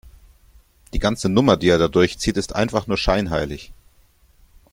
Die ganze Nummer, die er da durchzieht, ist einfach nur scheinheilig.